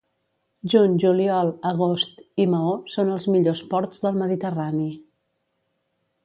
Juny, juliol, agost i Maó són els millors ports del Mediterrani.